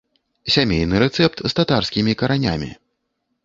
Сямейны рэцэпт з татарскімі каранямі.